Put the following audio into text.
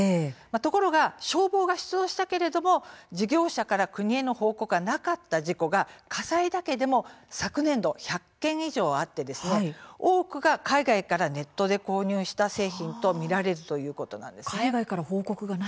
ところが消防が出動したけれども事業者から国への報告がなかった事故が火災だけでも昨年度１００件以上あって多くが海外からネットで購入した製品と見られるということなんです。